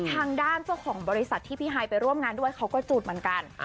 ทางด้านเจ้าของบริษัทที่พี่ฮายไปร่วมงานด้วยเขาก็จุดเหมือนกัน